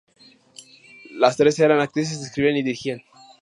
Las tres eran actrices, escribían y dirigían.